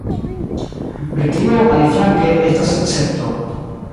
Britio, aliflanke, estas escepto.